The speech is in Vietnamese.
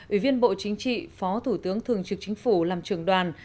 ủy viên bộ chính trị phó thủ tướng thường trực chính phủ làm trưởng đoàn